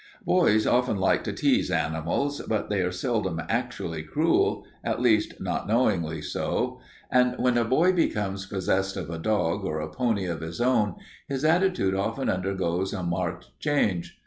Boys often like to tease animals, but they are seldom actually cruel, at least not knowingly so. And when a boy becomes possessed of a dog or a pony of his own, his attitude often undergoes a marked change.